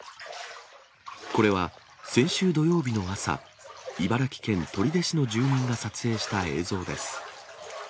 これは先週土曜日の朝、茨城県取手市の住民が撮影した映像です。